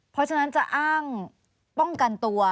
เพราะฉะนั้นจะอ้างป้องกันตัว